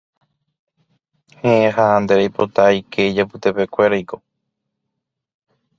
Héẽ ha nde reipota aike ijapytepekuéraiko